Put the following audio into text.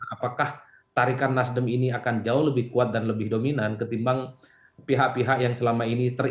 apakah tarikan nasdem ini akan jauh lebih kuat dan lebih dominan ketimbang pihak pihak yang selama ini terlibat